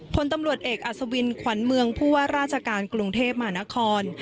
พลตำรวจเอกอัศวินขวัญเมืองผู้ว่าราชการกรุงเทพมหานคร